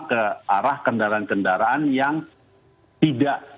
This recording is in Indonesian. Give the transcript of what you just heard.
ke arah kendaraan kendaraan yang tidak